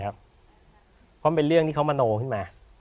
เพราะมันเป็นเรื่องที่เขามโนขึ้นมา